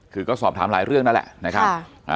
คือก็สอบถามหลายเรื่องนั่นแหละนะครับ